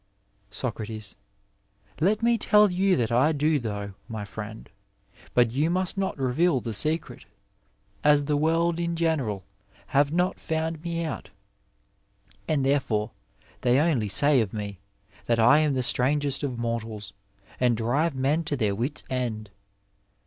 8oc, Let me tell you that I do though, my friend; but yoa must not reveal the secret, as the world in genecal have not found me out ; and therefore they only say of me, that I am the strangest of mortals, and drive men to their wits' end.